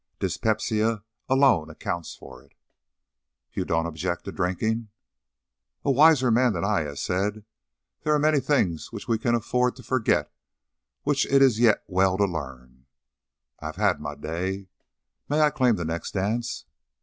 Dyspepsia alone accounts for it." "You don't object to drinking?" "A wiser man than I has said, 'There are many things which we can afford to forget which it is yet well to learn.' I have had my day. May I claim the next dance?"